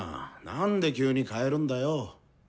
なんで急に変えるんだよ？